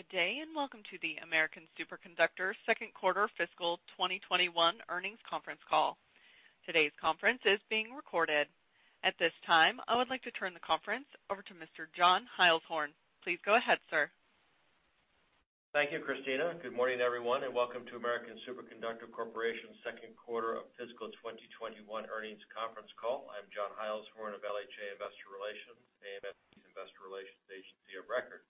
Good day, and welcome to the American Superconductor second quarter fiscal 2022 earnings conference call. Today's conference is being recorded. At this time, I would like to turn the conference over to Mr. John Heilshorn. Please go ahead, sir. Thank you, Christina. Good morning, everyone, and welcome to American Superconductor Corporation's second quarter of fiscal 2022 earnings conference call. I'm John Heilshorn of LHA Investor Relations, AMSC's investor relations agency of record.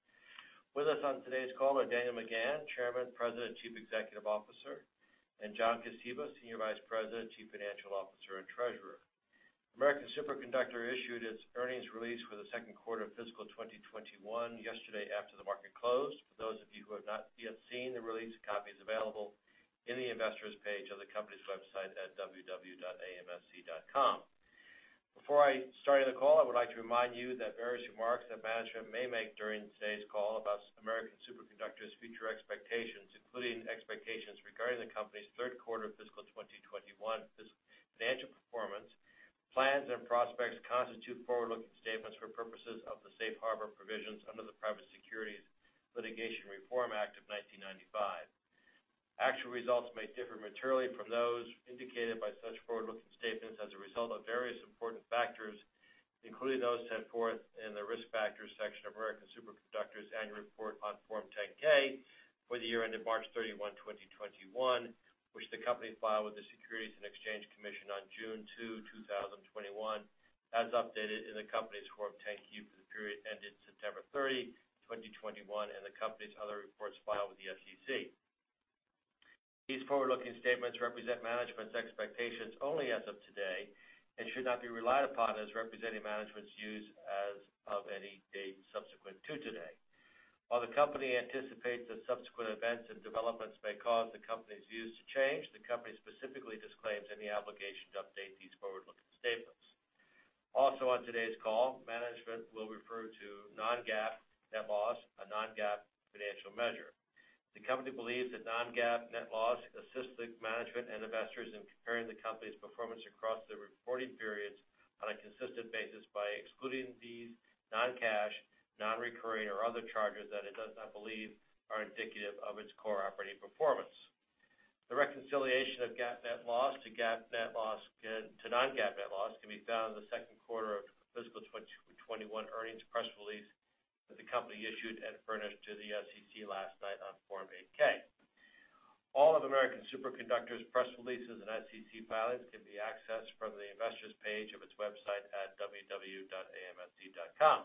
With us on today's call are Daniel McGahn, Chairman, President, and Chief Executive Officer, and John Kosiba, Senior Vice President, Chief Financial Officer, and Treasurer. American Superconductor issued its earnings release for the second quarter of fiscal 2022 yesterday after the market closed. For those of you who have not yet seen the release, a copy is available in the Investors page of the company's website at www.amsc.com. Before I start the call, I would like to remind you that various remarks that management may make during today's call about American Superconductor's future expectations, including expectations regarding the company's third quarter of fiscal 2022 financial performance, plans, and prospects constitute forward-looking statements for purposes of the safe harbor provisions under the Private Securities Litigation Reform Act of 1995. Actual results may differ materially from those indicated by such forward-looking statements as a result of various important factors, including those set forth in the Risk Factors section of American Superconductor's annual report on Form 10-K for the year ended March 31, 2021, which the company filed with the Securities and Exchange Commission on June 2, 2021, as updated in the company's Form 10-Q for the period ended September 30, 2021, and the company's other reports filed with the SEC. These forward-looking statements represent management's expectations only as of today and should not be relied upon as representing management's views as of any date subsequent to today. While the company anticipates that subsequent events and developments may cause the company's views to change, the company specifically disclaims any obligation to update these forward-looking statements. Also on today's call, management will refer to non-GAAP net loss, a non-GAAP financial measure. The company believes that non-GAAP net loss assists the management and investors in comparing the company's performance across the reporting periods on a consistent basis by excluding these non-cash, non-recurring, or other charges that it does not believe are indicative of its core operating performance. The reconciliation of GAAP net loss to non-GAAP net loss can be found in the second quarter of fiscal 2021 earnings press release that the company issued and furnished to the SEC last night on Form 8-K. All of American Superconductor's press releases and SEC filings can be accessed from the Investors page of its website at www.amsc.com.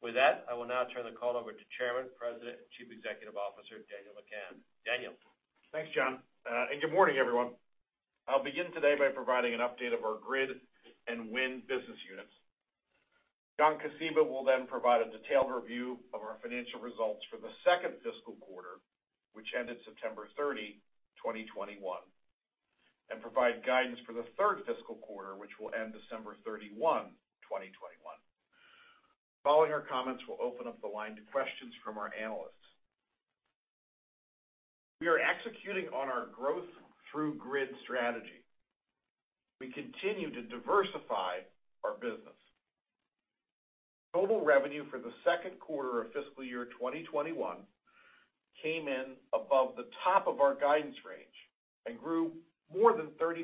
With that, I will now turn the call over to Chairman, President, and Chief Executive Officer, Daniel McGahn. Daniel? Thanks, John, and good morning, everyone. I'll begin today by providing an update of our Grid and Wind business units. John Kosiba will then provide a detailed review of our financial results for the second fiscal quarter, which ended September 30, 2021, and provide guidance for the third fiscal quarter, which will end December 31, 2021. Following our comments, we'll open up the line to questions from our analysts. We are executing on our growth through Grid strategy. We continue to diversify our business. Total revenue for the second quarter of fiscal year 2021 came in above the top of our guidance range and grew more than 30%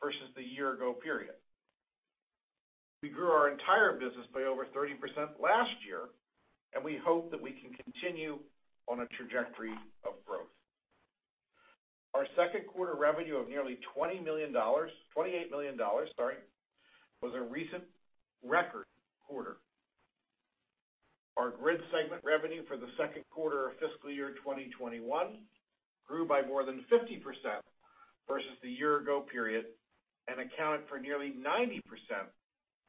versus the year ago period. We grew our entire business by over 30% last year, and we hope that we can continue on a trajectory of growth. Our second quarter revenue of nearly $20 million, $28 million, sorry, was a recent record quarter. Our Grid segment revenue for the second quarter of fiscal year 2021 grew by more than 50% versus the year ago period and accounted for nearly 90%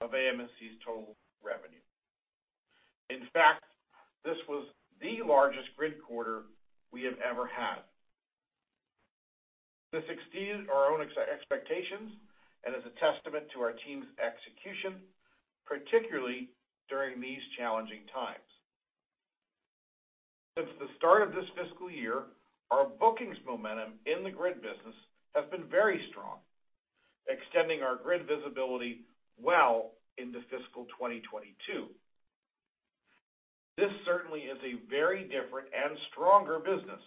of AMSC's total revenue. In fact, this was the largest Grid quarter we have ever had. This exceeded our own expectations and is a testament to our team's execution, particularly during these challenging times. Since the start of this fiscal year, our bookings momentum in the Grid business has been very strong, extending our Grid visibility well into fiscal 2022. This certainly is a very different and stronger business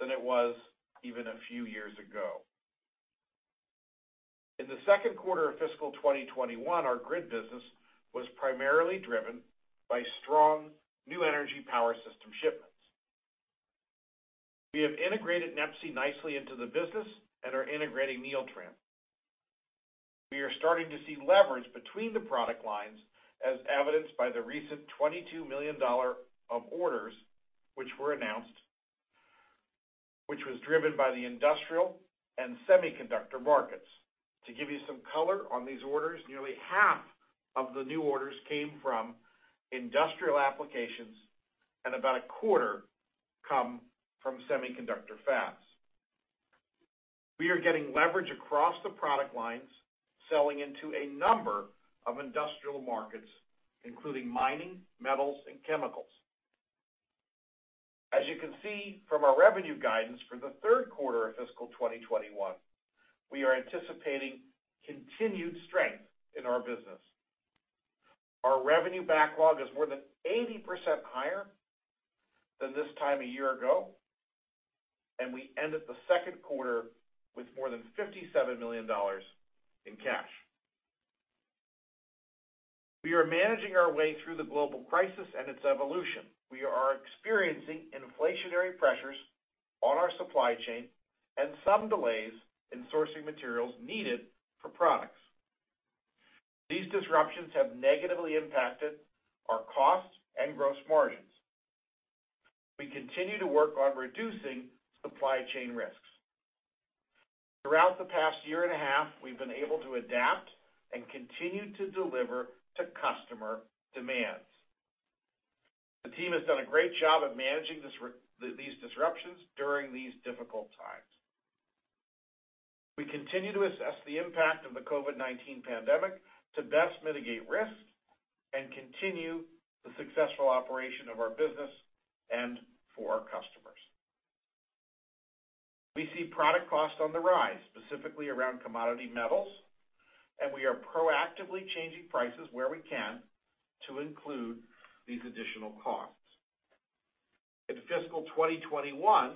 than it was even a few years ago. In the second quarter of fiscal year 2021, our Grid business was primarily driven by strong new energy power system shipments. We have integrated NEPSI nicely into the business and are integrating Neeltran. We are starting to see leverage between the product lines as evidenced by the recent $22 million of orders which were announced, which was driven by the industrial and semiconductor markets. To give you some color on these orders, nearly half of the new orders came from industrial applications, and about a quarter come from semiconductor fabs. We are getting leverage across the product lines, selling into a number of industrial markets, including mining, metals, and chemicals. As you can see from our revenue guidance for the third quarter of fiscal 2021, we are anticipating continued strength in our business. Our revenue backlog is more than 80% higher than this time a year ago, and we ended the second quarter with more than $57 million in cash. We are managing our way through the global crisis and its evolution. We are experiencing inflationary pressures on our supply chain and some delays in sourcing materials needed for products. These disruptions have negatively impacted our costs and gross margins. We continue to work on reducing supply chain risks. Throughout the past year and a half, we've been able to adapt and continue to deliver to customer demands. The team has done a great job at managing these disruptions during these difficult times. We continue to assess the impact of the COVID-19 pandemic to best mitigate risks and continue the successful operation of our business and for our customers. We see product costs on the rise, specifically around commodity metals, and we are proactively changing prices where we can to include these additional costs. In fiscal 2021,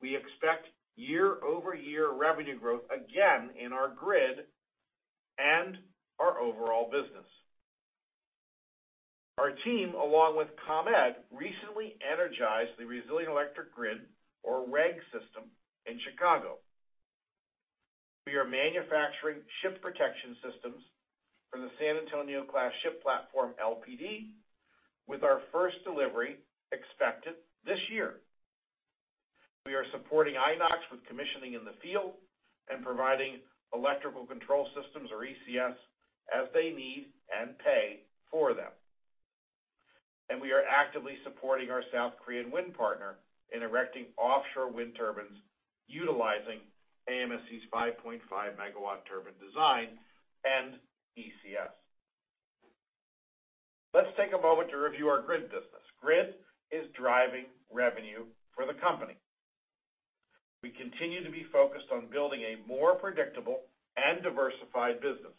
we expect year-over-year revenue growth again in our grid and our overall business. Our team, along with ComEd, recently energized the Resilient Electric Grid, or REG system, in Chicago. We are manufacturing ship protection systems for the San Antonio class ship platform LPD, with our first delivery expected this year. We are supporting Inox with commissioning in the field and providing electrical control systems, or ECS, as they need and pay for them. We are actively supporting our South Korean wind partner in erecting offshore wind turbines utilizing AMSC's 5.5 MW turbine design and ECS. Let's take a moment to review our grid business. Grid is driving revenue for the company. We continue to be focused on building a more predictable and diversified business.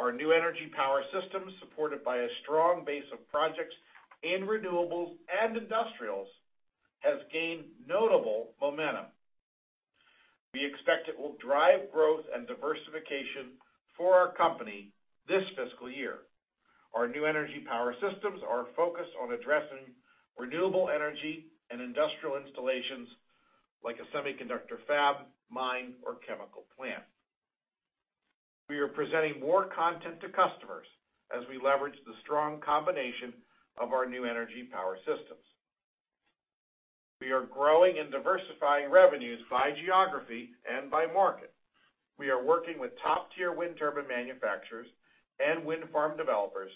Our new energy power systems, supported by a strong base of projects in renewables and industrials, has gained notable momentum. We expect it will drive growth and diversification for our company this fiscal year. Our new energy power systems are focused on addressing renewable energy and industrial installations like a semiconductor fab, mine, or chemical plant. We are presenting more content to customers as we leverage the strong combination of our new energy power systems. We are growing and diversifying revenues by geography and by market. We are working with top-tier wind turbine manufacturers and wind farm developers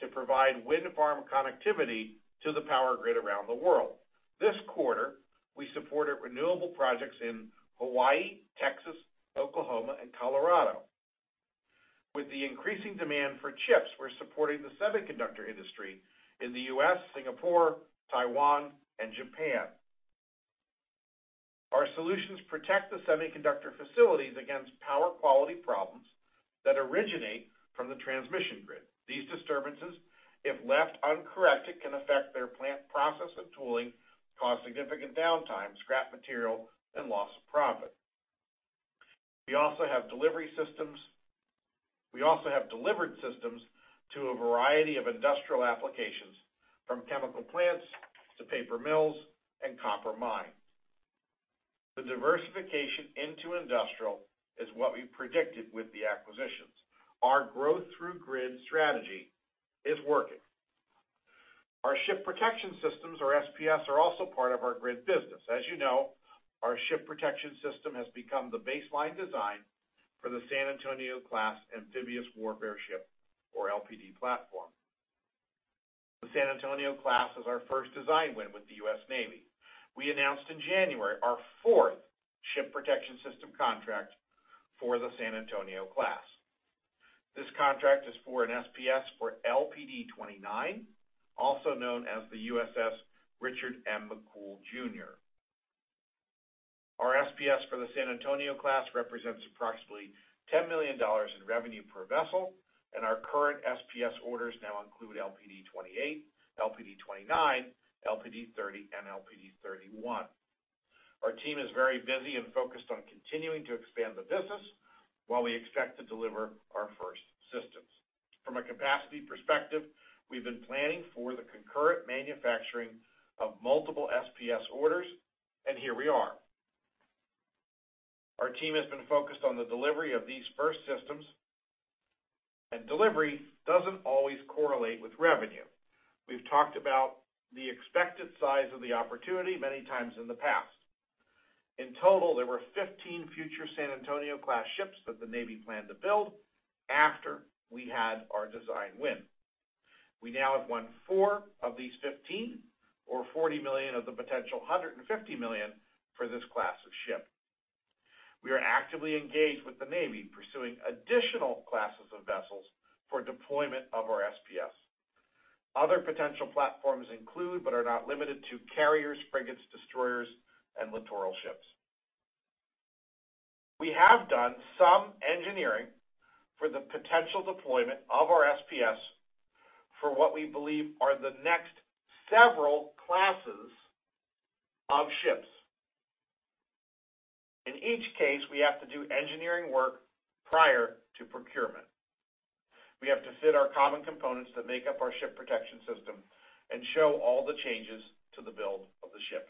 to provide wind farm connectivity to the power grid around the world. This quarter, we supported renewable projects in Hawaii, Texas, Oklahoma, and Colorado. With the increasing demand for chips, we're supporting the semiconductor industry in the U.S., Singapore, Taiwan, and Japan. Our solutions protect the semiconductor facilities against power quality problems that originate from the transmission grid. These disturbances, if left uncorrected, can affect their plant process and tooling, cause significant downtime, scrap material, and loss of profit. We have delivered systems to a variety of industrial applications, from chemical plants to paper mills and copper mines. The diversification into industrial is what we predicted with the acquisitions. Our growth through grid strategy is working. Our ship protection systems, or SPS, are also part of our grid business. As you know, our ship protection system has become the baseline design for the San Antonio class amphibious warfare ship, or LPD platform. The San Antonio class is our first design win with the U.S. Navy. We announced in January our fourth ship protection system contract for the San Antonio class. This contract is for an SPS for LPD-29, also known as the USS Richard M. McCool Jr. Our SPS for the San Antonio class represents approximately $10 million in revenue per vessel, and our current SPS orders now include LPD-28, LPD-29, LPD-30, and LPD-31. Our team is very busy and focused on continuing to expand the business while we expect to deliver our first systems. From a capacity perspective, we've been planning for the concurrent manufacturing of multiple SPS orders, and here we are. Our team has been focused on the delivery of these first systems, and delivery doesn't always correlate with revenue. We've talked about the expected size of the opportunity many times in the past. In total, there were 15 future San Antonio class ships that the Navy planned to build after we had our design win. We now have won 4 of these 15 or $40 million of the potential $150 million for this class of ship. We are actively engaged with the Navy, pursuing additional classes of vessels for deployment of our SPS. Other potential platforms include, but are not limited to carriers, frigates, destroyers, and littoral ships. We have done some engineering for the potential deployment of our SPS for what we believe are the next several classes of ships. In each case, we have to do engineering work prior to procurement. We have to fit our common components that make up our ship protection system and show all the changes to the build of the ship.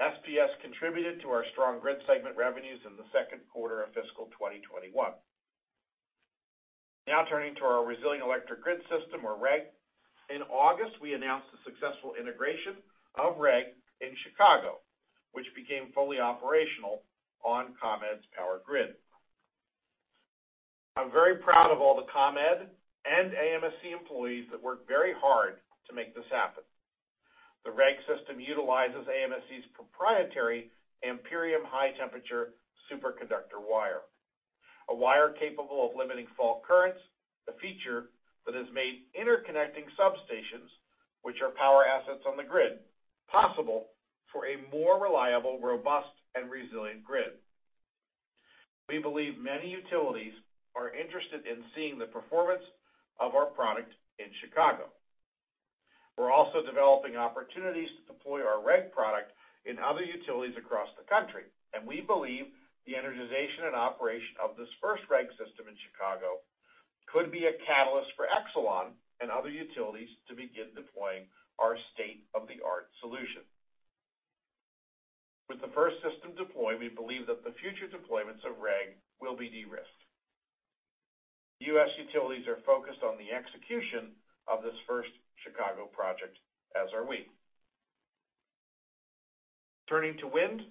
SPS contributed to our strong grid segment revenues in the second quarter of fiscal 2021. Now turning to our Resilient Electric Grid system or REG. In August, we announced the successful integration of REG in Chicago, which became fully operational on ComEd's power grid. I'm very proud of all the ComEd and AMSC employees that worked very hard to make this happen. The REG system utilizes AMSC's proprietary Amperium high temperature superconductor wire, a wire capable of limiting fault currents, a feature that has made interconnecting substations, which are power assets on the grid, possible for a more reliable, robust, and resilient grid. We believe many utilities are interested in seeing the performance of our product in Chicago. We're also developing opportunities to deploy our REG product in other utilities across the country, and we believe the energization and operation of this first REG system in Chicago could be a catalyst for Exelon and other utilities to begin deploying our state-of-the-art solution. With the first system deployed, we believe that the future deployments of REG will be de-risked. U.S. utilities are focused on the execution of this first Chicago project, as are we. Turning to wind,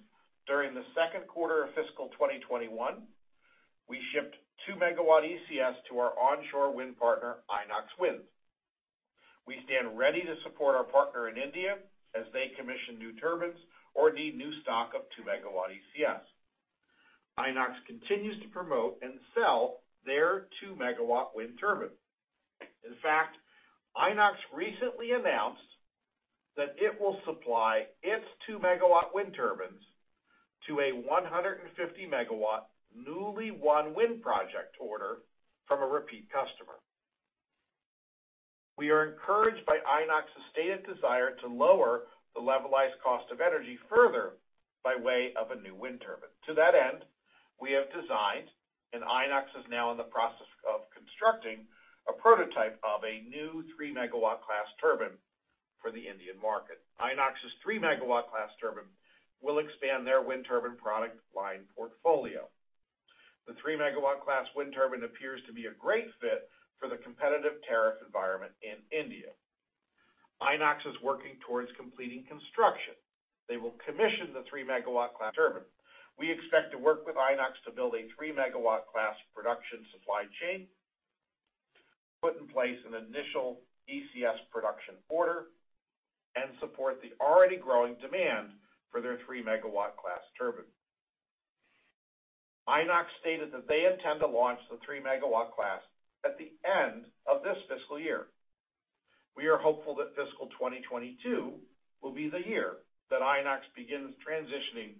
during the second quarter of fiscal 2021, we shipped 2-megawatt ECS to our onshore wind partner, Inox Wind. We stand ready to support our partner in India as they commission new turbines or need new stock of 2-megawatt ECS. Inox continues to promote and sell their 2-megawatt wind turbine. In fact, Inox recently announced that it will supply its 2-megawatt wind turbines to a 150-megawatt newly won wind project order from a repeat customer. We are encouraged by Inox's stated desire to lower the levelized cost of energy further by way of a new wind turbine. To that end, we have designed, and Inox is now in the process of constructing, a prototype of a new 3-megawatt class turbine for the Indian market. Inox's 3-megawatt class turbine will expand their wind turbine product line portfolio. The 3-megawatt class wind turbine appears to be a great fit for the competitive tariff environment in India. Inox is working towards completing construction. They will commission the 3-megawatt class turbine. We expect to work with Inox to build a 3-megawatt class production supply chain, put in place an initial ECS production order, and support the already growing demand for their 3-megawatt class turbine. Inox stated that they intend to launch the 3-megawatt class at the end of this fiscal year. We are hopeful that fiscal 2022 will be the year that Inox begins transitioning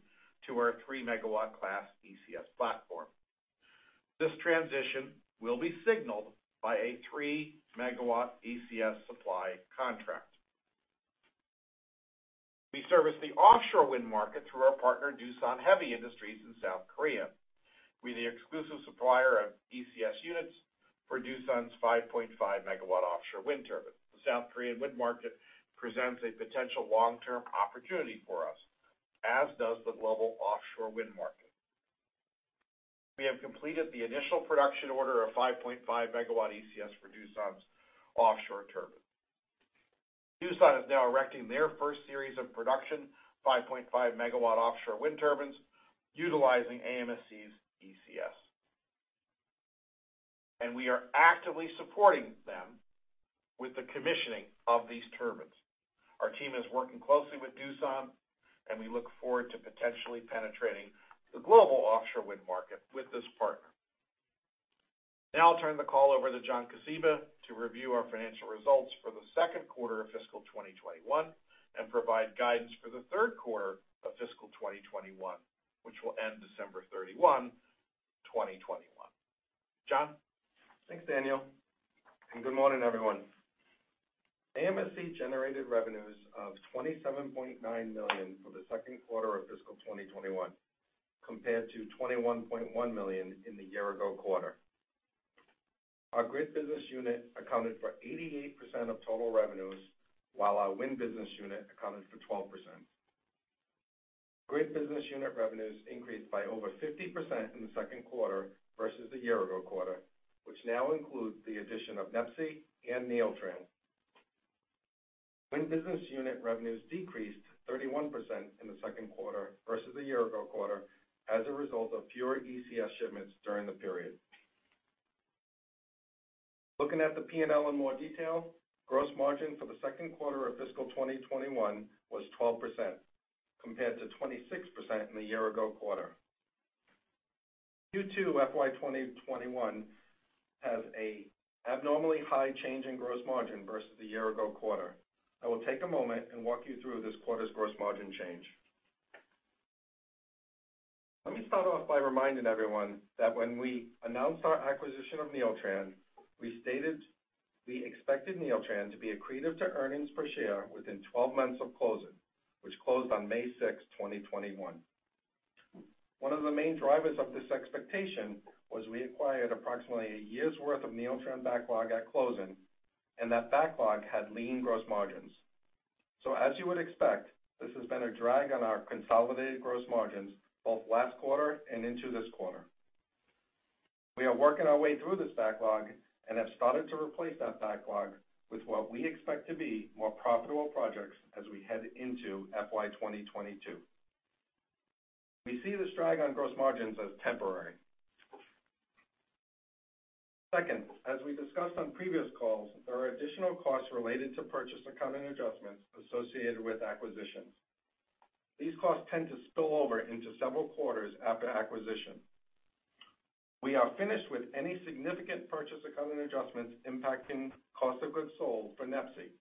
to our 3-megawatt class ECS platform. This transition will be signaled by a 3-megawatt ECS supply contract. We service the offshore wind market through our partner, Doosan Heavy Industries in South Korea. We're the exclusive supplier of ECS units for Doosan's 5.5-megawatt offshore wind turbine. The South Korean wind market presents a potential long-term opportunity for us, as does the global offshore wind market. We have completed the initial production order of 5.5-megawatt ECS for Doosan's offshore turbine. Doosan is now erecting their first series of production, 5.5-megawatt offshore wind turbines, utilizing AMSC's ECS, and we are actively supporting them with the commissioning of these turbines. Our team is working closely with Doosan, and we look forward to potentially penetrating the global offshore wind market with this partner. Now I'll turn the call over to John Kosiba to review our financial results for the second quarter of fiscal 2021 and provide guidance for the third quarter of fiscal 2021, which will end December 31, 2021. John? Thanks, Daniel, and good morning, everyone. AMSC generated revenues of $27.9 million for the second quarter of fiscal 2021 compared to $21.1 million in the year-ago quarter. Our Grid business unit accounted for 88% of total revenues, while our Wind business unit accounted for 12%. Grid business unit revenues increased by over 50% in the second quarter versus the year-ago quarter, which now includes the addition of NEPSI and Neeltran. Wind business unit revenues decreased 31% in the second quarter versus the year-ago quarter as a result of fewer ECS shipments during the period. Looking at the P&L in more detail, gross margin for the second quarter of fiscal 2021 was 12% compared to 26% in the year-ago quarter. Q2 FY 2021 has a abnormally high change in gross margin versus the year-ago quarter. I will take a moment and walk you through this quarter's gross margin change. Let me start off by reminding everyone that when we announced our acquisition of Neeltran, we stated we expected Neeltran to be accretive to earnings per share within 12 months of closing, which closed on May 6, 2021. One of the main drivers of this expectation was we acquired approximately a year's worth of Neeltran backlog at closing, and that backlog had lean gross margins. As you would expect, this has been a drag on our consolidated gross margins both last quarter and into this quarter. We are working our way through this backlog and have started to replace that backlog with what we expect to be more profitable projects as we head into FY 2022. We see this drag on gross margins as temporary. Second, as we discussed on previous calls, there are additional costs related to purchase accounting adjustments associated with acquisitions. These costs tend to spill over into several quarters after acquisition. We are finished with any significant purchase accounting adjustments impacting cost of goods sold for NEPSI,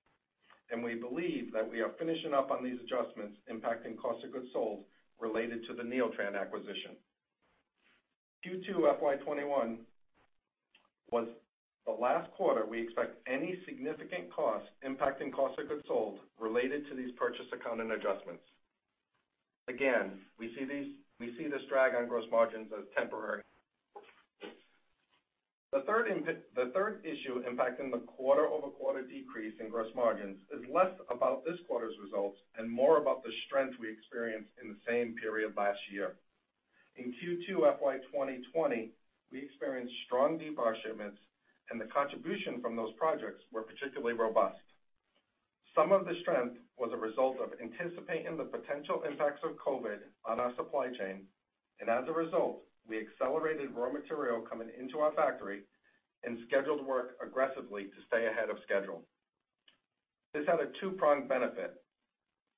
and we believe that we are finishing up on these adjustments impacting cost of goods sold related to the Neeltran acquisition. Q2 FY 2021 was the last quarter we expect any significant cost impacting cost of goods sold related to these purchase accounting adjustments. Again, we see this drag on gross margins as temporary. The third issue impacting the quarter-over-quarter decrease in gross margins is less about this quarter's results and more about the strength we experienced in the same period last year. In Q2 FY 2020, we experienced strong D-VAR shipments, and the contribution from those projects were particularly robust. Some of the strength was a result of anticipating the potential impacts of COVID on our supply chain, and as a result, we accelerated raw material coming into our factory and scheduled work aggressively to stay ahead of schedule. This had a two-pronged benefit.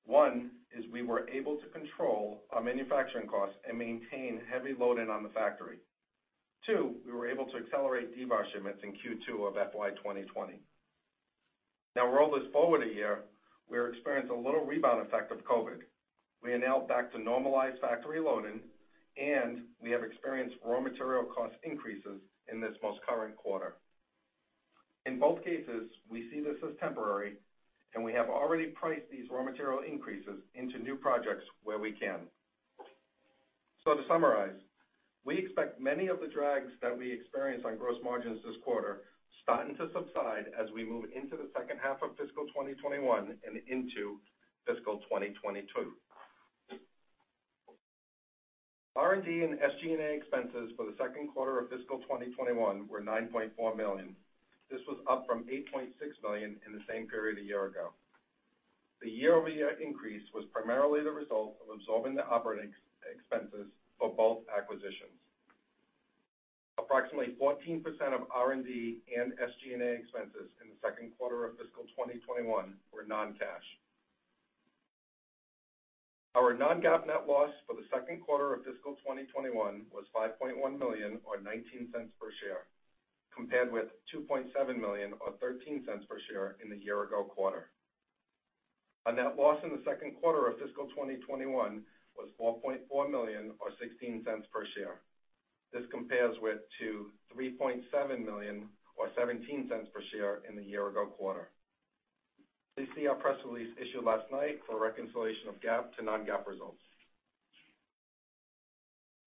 One is we were able to control our manufacturing costs and maintain heavy loading on the factory. Two, we were able to accelerate D-VAR shipments in Q2 of FY 2020. Now roll this forward a year, we're experiencing a little rebound effect of COVID. We are now back to normalized factory loading, and we have experienced raw material cost increases in this most current quarter. In both cases, we see this as temporary, and we have already priced these raw material increases into new projects where we can. To summarize, we expect many of the drags that we experience on gross margins this quarter starting to subside as we move into the second half of fiscal 2021 and into fiscal 2022. R&D and SG&A expenses for the second quarter of fiscal 2021 were $9.4 million. This was up from $8.6 million in the same period a year ago. The year-over-year increase was primarily the result of absorbing the operating expenses for both acquisitions. Approximately 14% of R&D and SG&A expenses in the second quarter of fiscal 2021 were non-cash. Our non-GAAP net loss for the second quarter of fiscal 2021 was $5.1 million or $0.19 per share, compared with $2.7 million or $0.13 per share in the year ago quarter. Our net loss in the second quarter of fiscal 2021 was $4.4 million or $0.16 per share. This compares to $3.7 million or $0.17 per share in the year ago quarter. Please see our press release issued last night for a reconciliation of GAAP to non-GAAP results.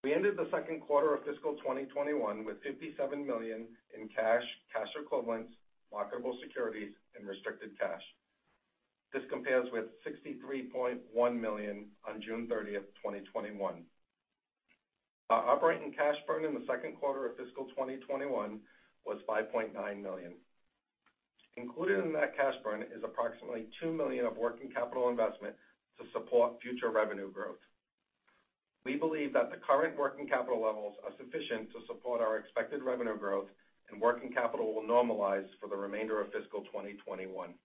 We ended the second quarter of fiscal 2021 with $57 million in cash equivalents, marketable securities, and restricted cash. This compares with $63.1 million on June 30, 2021. Our operating cash burn in the second quarter of fiscal 2021 was $5.9 million. Included in that cash burn is approximately $2 million of working capital investment to support future revenue growth. We believe that the current working capital levels are sufficient to support our expected revenue growth, and working capital will normalize for the remainder of fiscal 2021.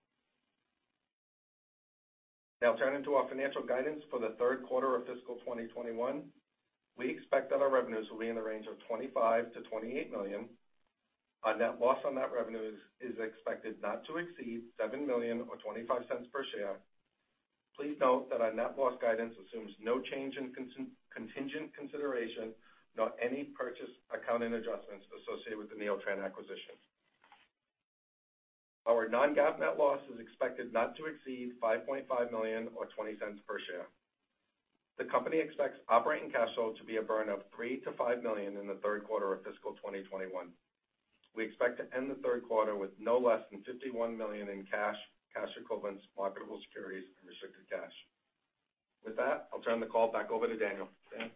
Now turning to our financial guidance for the third quarter of fiscal 2021. We expect that our revenues will be in the range of $25 million-$28 million. Our net loss on that revenue is expected not to exceed $7 million or $0.25 per share. Please note that our net loss guidance assumes no change in contingent consideration, nor any purchase accounting adjustments associated with the Neeltran acquisition. Our non-GAAP net loss is expected not to exceed $5.5 million or $0.20 per share. The company expects operating cash flow to be a burn of $3 million-$5 million in the third quarter of fiscal 2021. We expect to end the third quarter with no less than $51 million in cash equivalents, marketable securities, and restricted cash. With that, I'll turn the call back over to Daniel. Dan?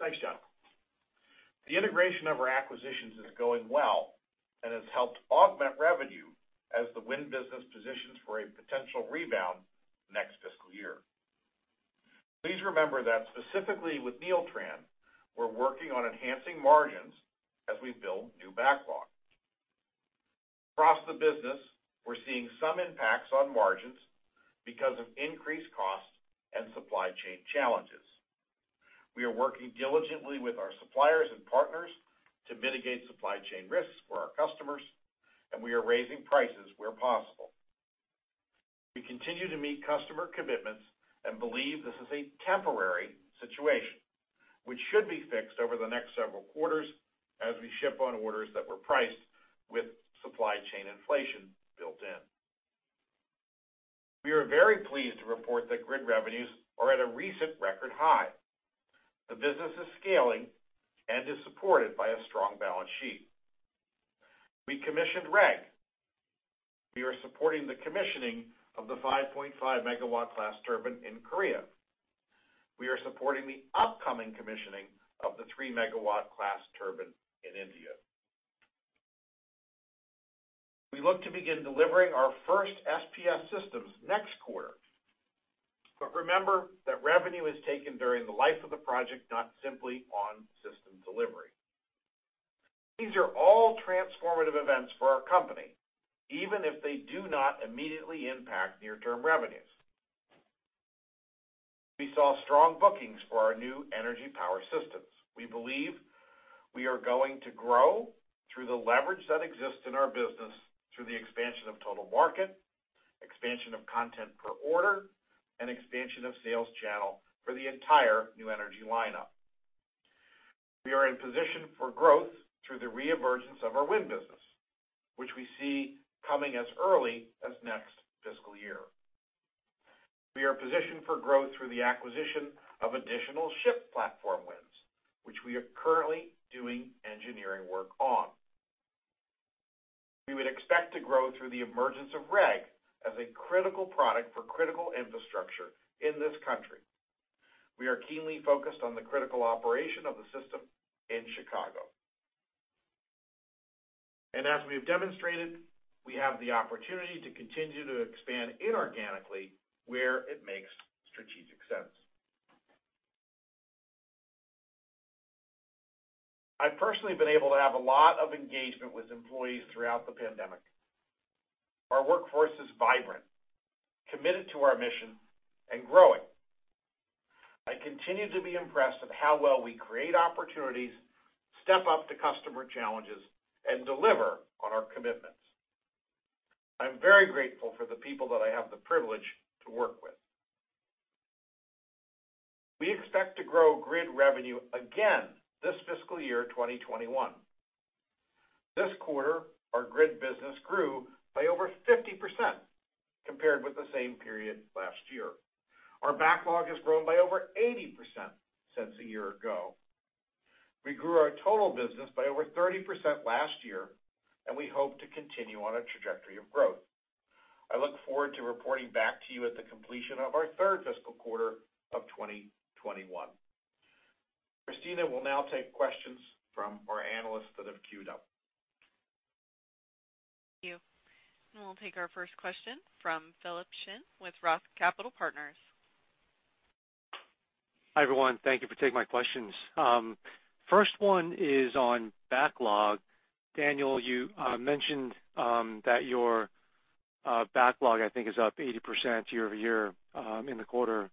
Thanks, John. The integration of our acquisitions is going well and has helped augment revenue as the wind business positions for a potential rebound next fiscal year. Please remember that specifically with Neeltran, we're working on enhancing margins as we build new backlog. Across the business, we're seeing some impacts on margins because of increased costs and supply chain challenges. We are working diligently with our suppliers and partners to mitigate supply chain risks for our customers, and we are raising prices where possible. We continue to meet customer commitments and believe this is a temporary situation, which should be fixed over the next several quarters as we ship on orders that were priced with supply chain inflation built in. We are very pleased to report that grid revenues are at a recent record high. The business is scaling and is supported by a strong balance sheet. We commissioned REG. We are supporting the commissioning of the 5.5 MW class turbine in Korea. We are supporting the upcoming commissioning of the 3 MW class turbine in India. We look to begin delivering our first SPS systems next quarter. Remember that revenue is taken during the life of the project, not simply on system delivery. These are all transformative events for our company, even if they do not immediately impact near-term revenues. We saw strong bookings for our new energy power systems. We believe we are going to grow through the leverage that exists in our business through the expansion of total market, expansion of content per order, and expansion of sales channel for the entire new energy lineup. We are in position for growth through the reemergence of our wind business, which we see coming as early as next fiscal year. We are positioned for growth through the acquisition of additional ship platform wins, which we are currently doing engineering work on. We would expect to grow through the emergence of REG as a critical product for critical infrastructure in this country. We are keenly focused on the critical operation of the system in Chicago. As we have demonstrated, we have the opportunity to continue to expand inorganically where it makes strategic sense. I've personally been able to have a lot of engagement with employees throughout the pandemic. Our workforce is vibrant, committed to our mission, and growing. I continue to be impressed of how well we create opportunities, step up to customer challenges, and deliver on our commitments. I'm very grateful for the people that I have the privilege to work with. We expect to grow grid revenue again this fiscal year, 2021. This quarter, our grid business grew by over 50% compared with the same period last year. Our backlog has grown by over 80% since a year ago. We grew our total business by over 30% last year, and we hope to continue on a trajectory of growth. I look forward to reporting back to you at the completion of our third fiscal quarter of 2021. Christina will now take questions from our analysts that have queued up. Thank you. We'll take our first question from Philip Shen with Roth Capital Partners. Hi, everyone. Thank you for taking my questions. First one is on backlog. Daniel, you mentioned that your backlog, I think, is up 80% year-over-year in the quarter.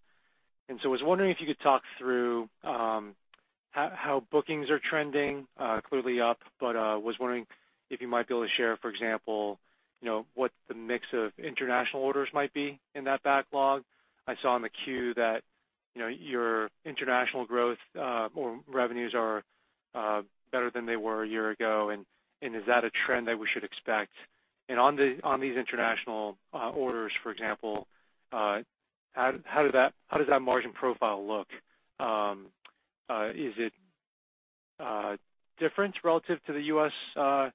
I was wondering if you could talk through how bookings are trending clearly up, but was wondering if you might be able to share, for example, you know, what the mix of international orders might be in that backlog. I saw in the Q that, you know, your international growth or revenues are better than they were a year ago, and is that a trend that we should expect? On these international orders, for example, how does that margin profile look? Is it different relative to the U.S.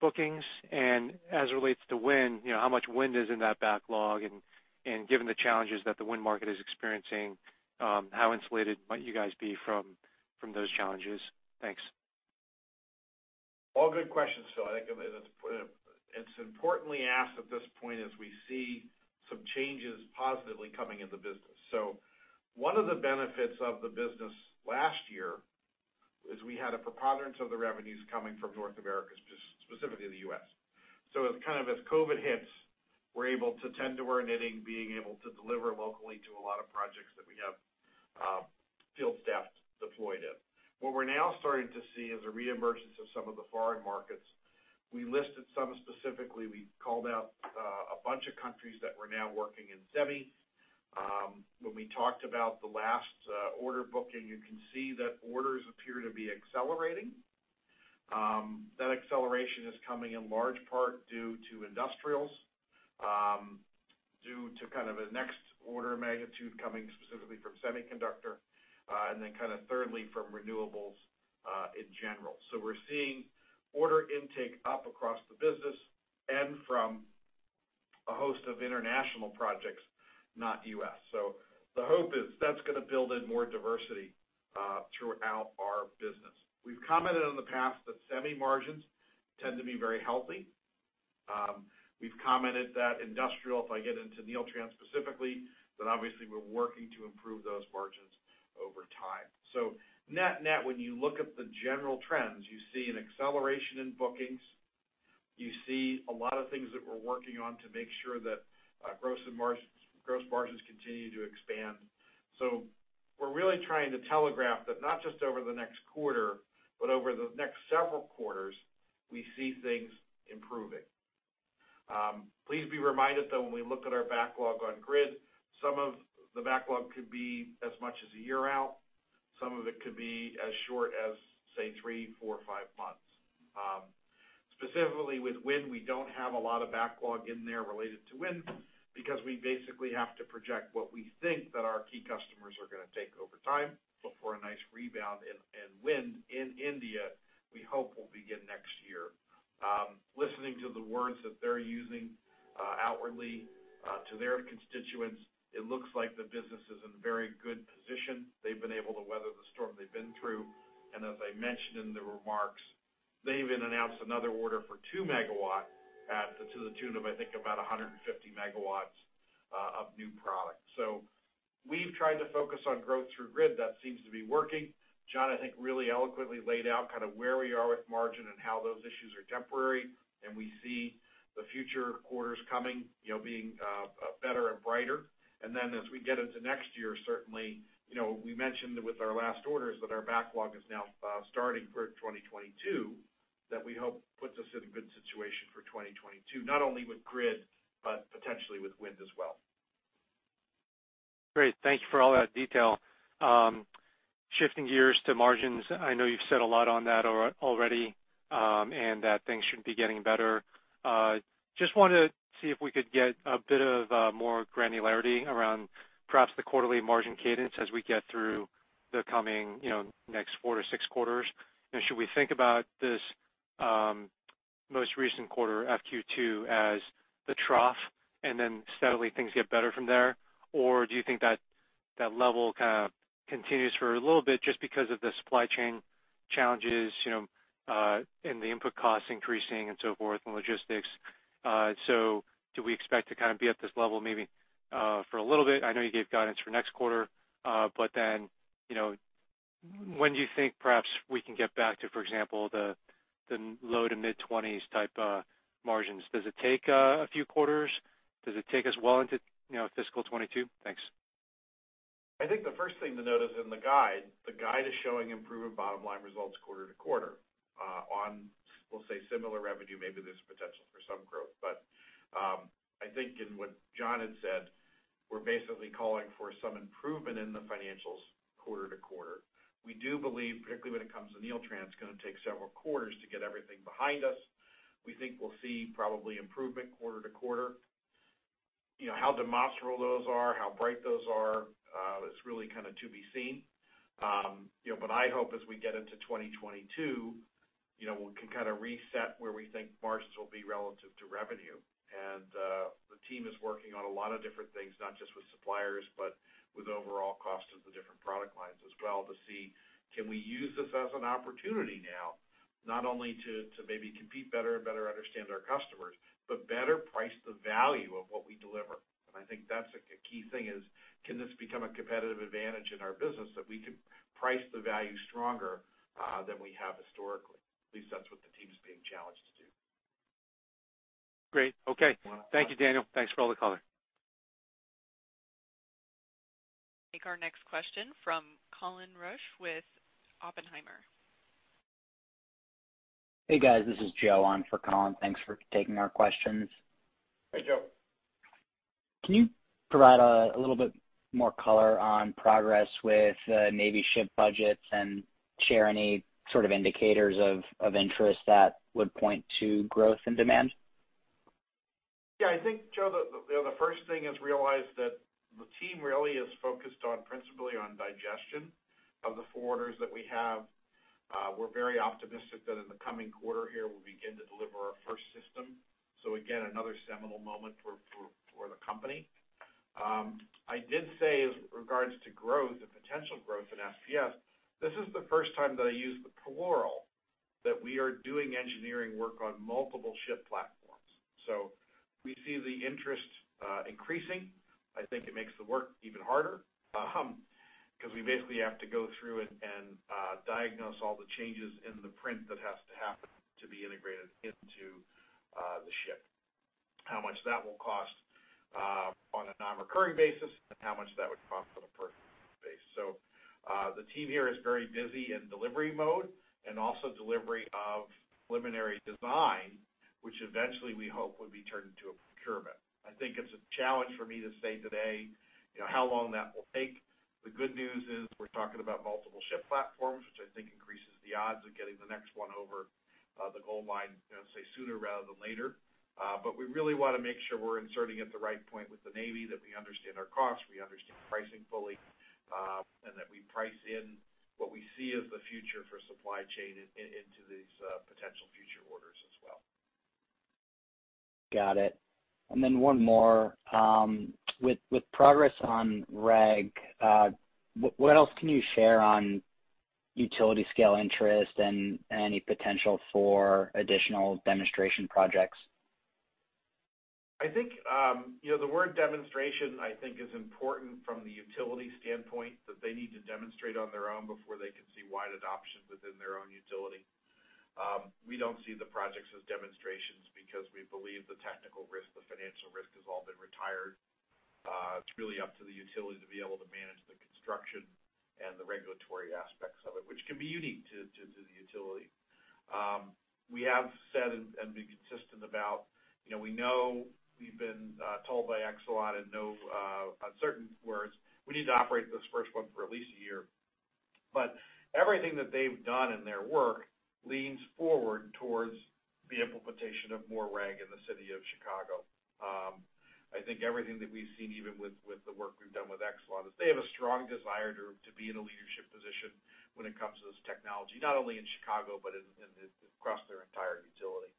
bookings? As it relates to wind, you know, how much wind is in that backlog? Given the challenges that the wind market is experiencing, how insulated might you guys be from those challenges? Thanks. All good questions, Philip. I think it's importantly asked at this point as we see some changes positively coming in the business. One of the benefits of the business last year is we had a preponderance of the revenues coming from North America, specifically the U.S. As COVID hits, we're able to tend to our knitting, being able to deliver locally to a lot of projects that we have, field staff deployed in. What we're now starting to see is a reemergence of some of the foreign markets. We listed some specifically. We called out a bunch of countries that we're now working in them. When we talked about the last order booking, you can see that orders appear to be accelerating. That acceleration is coming in large part due to industrials, due to kind of a next order magnitude coming specifically from semiconductor, and then kind of thirdly from renewables, in general. We're seeing order intake up across the business and from a host of international projects, not U.S. The hope is that's gonna build in more diversity, throughout our business. We've commented in the past that semi margins tend to be very healthy. We've commented that industrial, if I get into Neeltran specifically, that obviously we're working to improve those margins over time. Net-net, when you look at the general trends, you see an acceleration in bookings. You see a lot of things that we're working on to make sure that, gross margins continue to expand. We're really trying to telegraph that not just over the next quarter, but over the next several quarters, we see things improving. Please be reminded, though, when we look at our backlog on Grid, some of the backlog could be as much as a year out, some of it could be as short as, say, three, four, five months. Specifically with Wind, we don't have a lot of backlog in there related to Wind because we basically have to project what we think that our key customers are gonna take over time before a nice rebound in Wind in India we hope will begin next year. Listening to the words that they're using, outwardly, to their constituents, it looks like the business is in very good position. They've been able to weather the storm they've been through, and as I mentioned in the remarks, they even announced another order for 2 MW to the tune of, I think, about 150 MW of new product. We've tried to focus on growth through Grid. That seems to be working. John, I think, really eloquently laid out kind of where we are with margin and how those issues are temporary, and we see the future quarters coming, you know, being better and brighter. Then as we get into next year, certainly, you know, we mentioned with our last orders that our backlog is now starting for 2022, that we hope puts us in a good situation for 2022, not only with Grid, but potentially with Wind as well. Great. Thank you for all that detail. Shifting gears to margins, I know you've said a lot on that already, and that things should be getting better. Just wanna see if we could get a bit of more granularity around perhaps the quarterly margin cadence as we get through the coming, you know, next four to six quarters. Should we think about this most recent quarter, FQ2, as the trough, and then steadily things get better from there? Or do you think that level kind of continues for a little bit just because of the supply chain challenges, you know, and the input costs increasing and so forth, and logistics? Do we expect to kind of be at this level maybe for a little bit? I know you gave guidance for next quarter, but then, when do you think perhaps we can get back to, for example, the low- to mid-20s% type margins? Does it take a few quarters? Does it take us well into, you know, fiscal 2022? Thanks. I think the first thing to note is in the guide. The guide is showing improving bottom line results quarter to quarter on, we'll say, similar revenue, maybe there's potential for some growth. I think in what John had said, we're basically calling for some improvement in the financials quarter to quarter. We do believe, particularly when it comes to Neeltran, it's gonna take several quarters to get everything behind us. We think we'll see probably improvement quarter to quarter. You know, how demonstrable those are, how bright those are, is really kind of to be seen. I hope as we get into 2022, you know, we can kind of reset where we think margins will be relative to revenue. The team is working on a lot of different things, not just with suppliers, but with overall cost of the different product lines as well to see, can we use this as an opportunity now, not only to maybe compete better and better understand our customers, but better price the value of what we deliver. I think that's a key thing is, can this become a competitive advantage in our business that we can price the value stronger than we have historically? At least that's what the team's being challenged to do. Great. Okay. Thank you, Daniel. Thanks for all the color. Take our next question from Colin Rusch with Oppenheimer. Hey, guys. This is Joe on for Colin. Thanks for taking our questions. Hey, Joe. Can you provide a little bit more color on progress with Navy ship budgets and share any sort of indicators of interest that would point to growth and demand? Yeah. I think, Joe, you know, the first thing is realize that the team really is focused principally on digestion of the four orders that we have. We're very optimistic that in the coming quarter here, we'll begin to deliver our first system, so again, another seminal moment for the company. I did say as regards to growth and potential growth in SPS, this is the first time that I use the plural that we are doing engineering work on multiple ship platforms. We see the interest increasing. I think it makes the work even harder, because we basically have to go through and diagnose all the changes in the print that has to happen to be integrated into the ship, how much that will cost on a non-recurring basis, and how much that would cost on a per basis. The team here is very busy in delivery mode and also delivery of preliminary design, which eventually we hope will be turned into a procurement. I think it's a challenge for me to say today, how long that will take. The good news is we're talking about multiple ship platforms, which I think increases the odds of getting the next one over the goal line, you know, say, sooner rather than later. We really wanna make sure we're inserting at the right point with the Navy, that we understand our costs, we understand pricing fully, and that we price in what we see as the future for supply chain into these potential future orders as well. Got it. One more. With progress on REG, what else can you share on utility scale interest and any potential for additional demonstration projects? I think, you know, the word demonstration, I think, is important from the utility standpoint that they need to demonstrate on their own before they can see wide adoption within their own utility. We don't see the projects as demonstrations because we believe the technical risk, the financial risk has all been retired. It's really up to the utility to be able to manage the construction and the regulatory aspects of it, which can be unique to the utility. We have said and been consistent about, you know, we know we've been told by Exelon in no uncertain words we need to operate this first one for at least a year. Everything that they've done in their work leans forward towards the implementation of more REG in the City of Chicago. I think everything that we've seen, even with the work we've done with Exelon, is they have a strong desire to be in a leadership position when it comes to this technology, not only in Chicago, but in across their entire utility.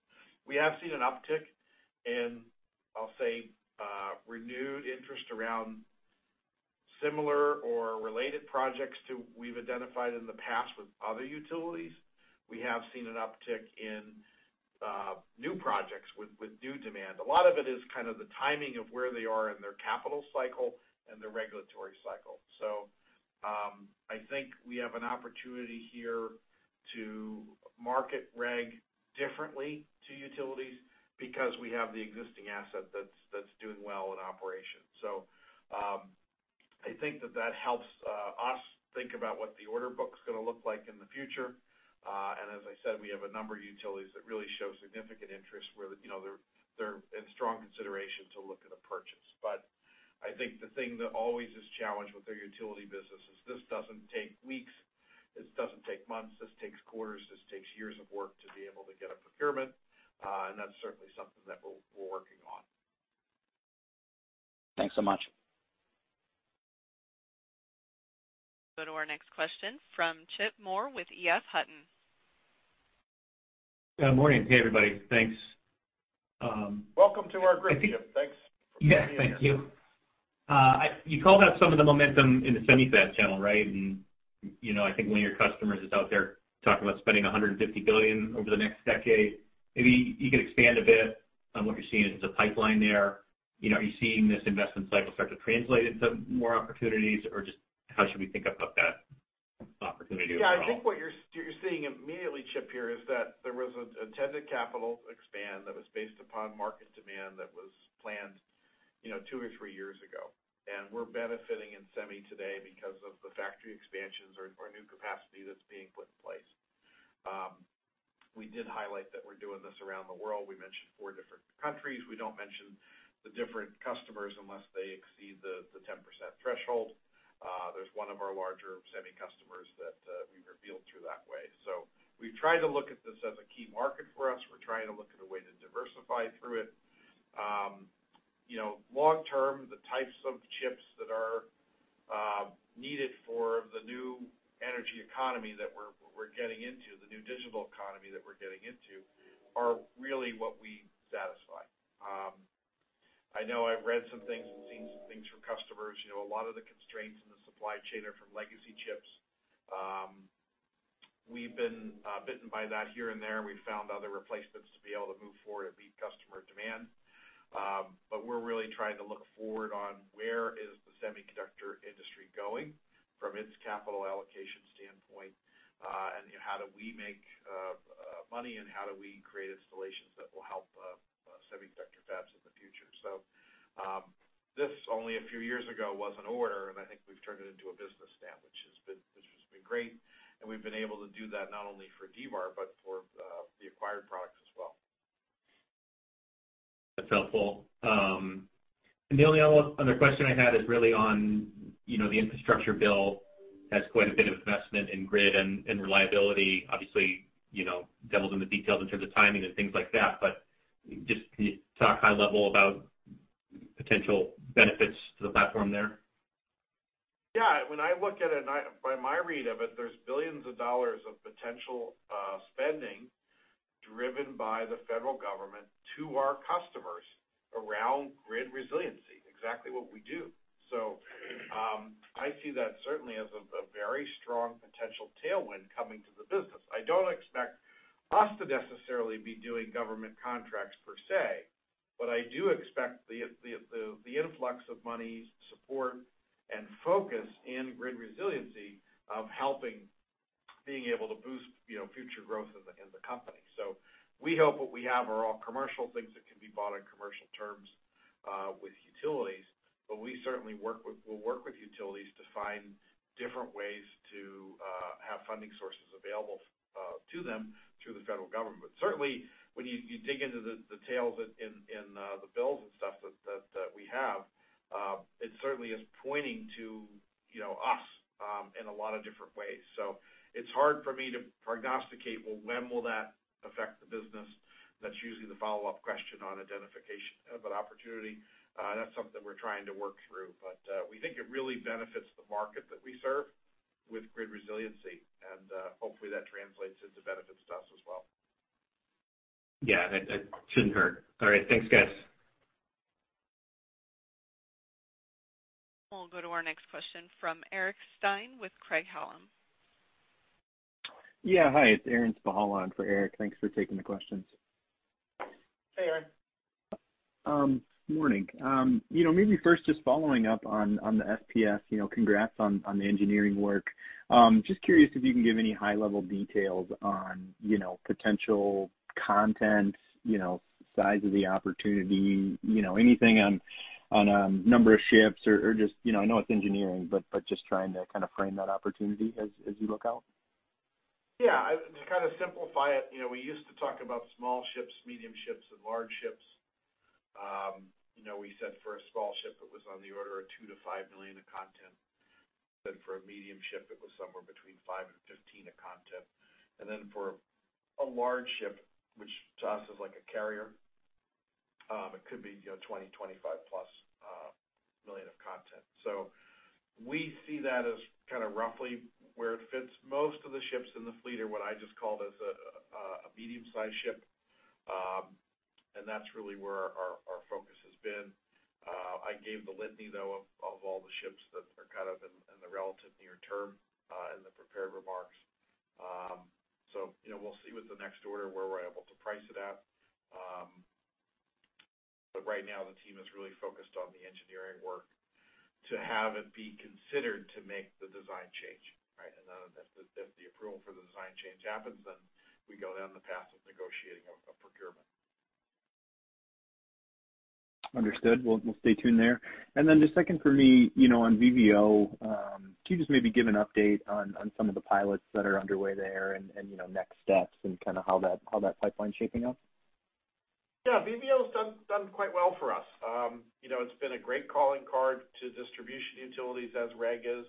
We have seen an uptick in, I'll say, renewed interest around similar or related projects to what we've identified in the past with other utilities. We have seen an uptick in new projects with new demand. A lot of it is kind of the timing of where they are in their capital cycle and their regulatory cycle. I think we have an opportunity here to market REG differently to utilities because we have the existing asset that's doing well in operation. I think that helps us think about what the order book's gonna look like in the future. As I said, we have a number of utilities that really show significant interest where, you know, they're in strong consideration to look at a purchase. I think the thing that always is challenged with their utility business is this doesn't take weeks, this doesn't take months, this takes quarters, this takes years of work to be able to get a procurement, and that's certainly something that we're working on. Thanks so much. Go to our next question from Chip Moore with EF Hutton. Good morning. Hey, everybody. Thanks, Welcome to our group, Chip. Thanks. Yeah, thank you. You called out some of the momentum in the semi fab channel, right? You know, I think one of your customers is out there talking about spending $150 billion over the next decade. Maybe you could expand a bit on what you're seeing as a pipeline there. Are you seeing this investment cycle start to translate into more opportunities or just how should we think about that opportunity overall? Yeah. I think what you're seeing immediately, Chip, here is that there was an intended capital expansion that was based upon market demand that was planned, you know, two or three years ago. We're benefiting in semi today because of the factory expansions or new capacity that's being put in place. We did highlight that we're doing this around the world. We mentioned four different countries. We don't mention the different customers unless they exceed the 10% threshold. There's one of our larger semi customers that we revealed through that way. We've tried to look at this as a key market for us. We're trying to look at a way to diversify through it. Long term, the types of chips that are needed for the new energy economy that we're getting into, the new digital economy that we're getting into are really what we satisfy. I know I've read some things and seen some things from customers. A lot of the constraints in the supply chain are from legacy chips. We've been bitten by that here and there. We've found other replacements to be able to move forward and meet customer demand. We're really trying to look forward on where the semiconductor industry is going from its capital allocation standpoint, and you know, how do we make money and how do we create installations that will help semiconductor fabs in the future. This, only a few years ago, was an order, and I think we've turned it into a business now, which has been great, and we've been able to do that not only for D-VAR, but for the acquired products as well. That's helpful. The only other question I had is really on, you know, the infrastructure bill has quite a bit of investment in grid and reliability. Obviously, devil's in the details in terms of timing and things like that, but just can you talk high level about potential benefits to the platform there? Yeah. When I look at it, by my read of it, there's billions of dollars of potential spending driven by the federal government to our customers around grid resiliency, exactly what we do. I see that certainly as a very strong potential tailwind coming to the business. I don't expect us to necessarily be doing government contracts per se, but I do expect the influx of money, support, and focus in grid resiliency of helping being able to boost, you know, future growth in the company. We hope what we have are all commercial things that can be bought on commercial terms with utilities, but we certainly will work with utilities to find different ways to have funding sources available to them through the federal government. Certainly, when you dig into the details in the bills and stuff that we have, it certainly is pointing to, you know, us in a lot of different ways. It's hard for me to prognosticate, well, when will that affect the business? That's usually the follow-up question on identification of an opportunity. That's something we're trying to work through. We think it really benefits the market that we serve with grid resiliency, and hopefully that translates into benefits to us as well. Yeah. That shouldn't hurt. All right. Thanks, guys. We'll go to our next question from Eric Stine with Craig-Hallum. Yeah, hi. It's Aaron Spychala in for Eric. Thanks for taking the questions. Hey, Aaron. Morning. You know, maybe first just following up on the SPS, congrats on the engineering work. Just curious if you can give any high-level details on, you know, potential content, you know, size of the opportunity, anything on number of ships or just, you know, I know it's engineering, but just trying to kind of frame that opportunity as you look out? Yeah. To kind of simplify it, you know, we used to talk about small ships, medium ships, and large ships. We said for a small ship, it was on the order of $2 million-$5 million of content. For a medium ship, it was somewhere between $5 million and $15 million of content. For a large ship, which to us is like a carrier, it could be, you know, $20 million, $25+ million of content. We see that as kind of roughly where it fits. Most of the ships in the fleet are what I just called as a medium-sized ship, and that's really where our focus has been. I gave the litany, though, of all the ships that are kind of in the relative near term, in the prepared remarks. We'll see with the next order where we're able to price it at. Right now the team is really focused on the engineering work to have it be considered to make the design change, right? If the approval for the design change happens, then we go down the path of negotiating a procurement. Understood. We'll stay tuned there. Then my second for me on VVO, can you just maybe give an update on some of the pilots that are underway there and you know, next steps and kind of how that pipeline's shaping up? Yeah, VVO's done quite well for us. You know, it's been a great calling card to distribution utilities as REG is.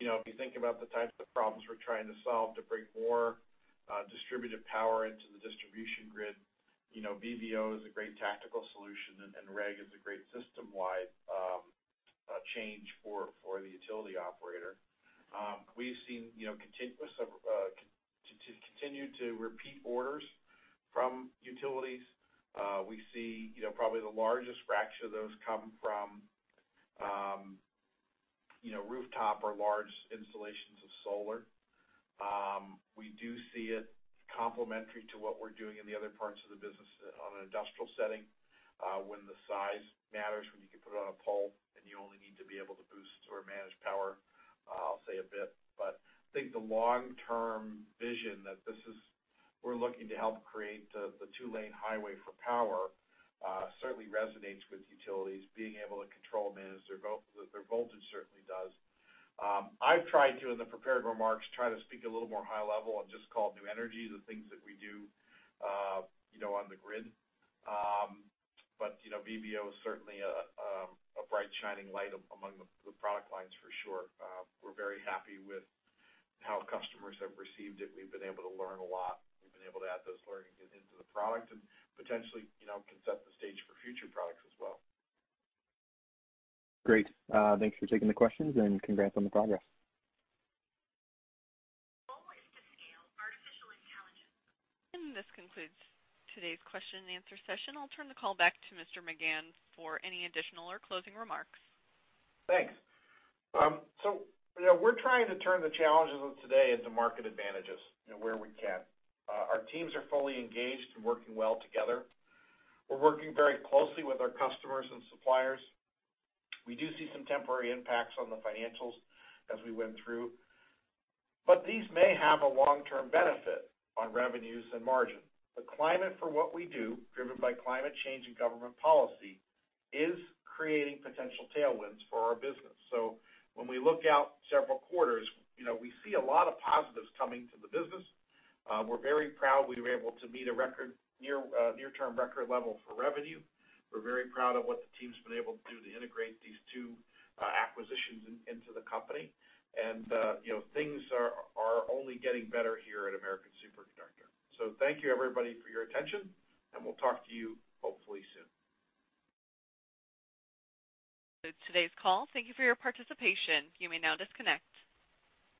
You know, if you think about the types of problems we're trying to solve to bring more distributed power into the distribution grid, you know, VVO is a great tactical solution, and REG is a great system-wide change for the utility operator. We've seen, you know, continuous continue to repeat orders from utilities. We see, you know, probably the largest fraction of those come from rooftop or large installations of solar. We do see it complementary to what we're doing in the other parts of the business on an industrial setting, when the size matters, when you can put it on a pole, and you only need to be able to boost or manage power. I'll say a bit. I think the long-term vision that this is we're looking to help create the two-lane highway for power certainly resonates with utilities. Being able to control, manage their voltage certainly does. I've tried to, in the prepared remarks, try to speak a little more high level and just call new energy the things that we do, you know, on the grid. You know, VVO is certainly a bright shining light among the product lines for sure. We're very happy with how customers have received it. We've been able to learn a lot. We've been able to add those learnings into the product and potentially, you know, can set the stage for future products as well. Great. Thanks for taking the questions and congrats on the progress. This concludes today's question and answer session. I'll turn the call back to Mr. McGahn for any additional or closing remarks. Thanks. You know, we're trying to turn the challenges of today into market advantages, where we can. Our teams are fully engaged and working well together. We're working very closely with our customers and suppliers. We do see some temporary impacts on the financials as we went through, but these may have a long-term benefit on revenues and margin. The climate for what we do, driven by climate change and government policy, is creating potential tailwinds for our business. When we look out several quarters, you know, we see a lot of positives coming to the business. We're very proud we were able to meet a near-term record level for revenue. We're very proud of what the team's been able to do to integrate these two acquisitions into the company. You know, things are only getting better here at American Superconductor. Thank you, everybody, for your attention, and we'll talk to you hopefully soon. That's today's call. Thank you for your participation. You may now disconnect.